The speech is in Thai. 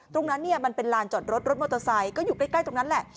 ตรงนั้นเนี่ยมันเป็นลานจอดรถรถมอเตอร์ไซค์ก็อยู่ใกล้ตรงนั้นแหละ